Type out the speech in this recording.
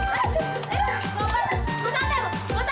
ini tuyul sakit